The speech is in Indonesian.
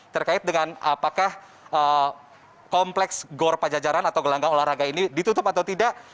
terkait dengan apakah kompleks gor pajajaran atau gelanggang olahraga ini ditutup atau tidak